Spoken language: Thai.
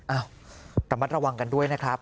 อ้าวระมัดระวังกันด้วยนะครับ